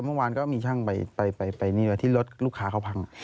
เมื่อวานก็มีช่างไปนี่ด้วยที่รถลูกค้าเขาพัง